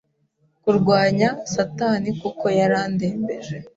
kurwanya Satani kuko yarandembeje